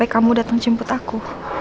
kamu datang jemput aku